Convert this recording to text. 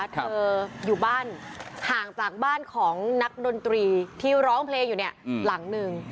อยู่บ้านห่างจากบ้านของนักดนตรีที่ร้องเพลงอยู่เนี่ยหลังหนึ่ง